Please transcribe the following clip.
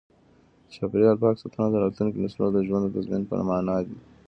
د چاپیریال پاک ساتل د راتلونکو نسلونو د ژوند د تضمین په مانا دی.